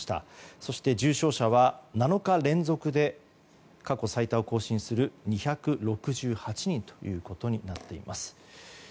そして重症者は７日連続で過去最多を更新する２６８人ということになっています。